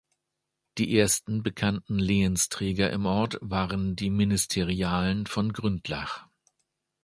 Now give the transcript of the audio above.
Die ersten bekannten Lehensträger im Ort waren die Ministerialen von Gründlach.